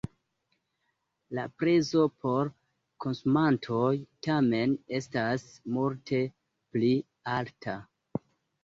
La prezo por konsumantoj tamen estas multe pli alta.